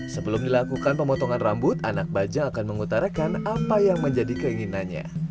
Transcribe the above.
sebelum dilakukan pemotongan rambut anak bajang akan mengutarakan apa yang menjadi keinginannya